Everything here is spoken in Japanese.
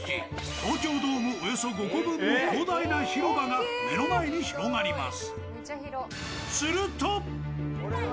東京ドーム５個分の広大な広場が目の前に広がります。